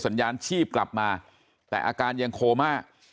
สัญญาณชีพกลับมาแต่อาการยังโคม่า